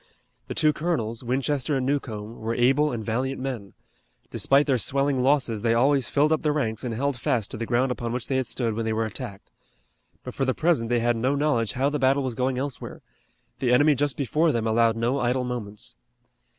The two colonels, Winchester and Newcomb, were able and valiant men. Despite their swelling losses they always filled up the ranks and held fast to the ground upon which they had stood when they were attacked. But for the present they had no knowledge how the battle was going elsewhere. The enemy just before them allowed no idle moments.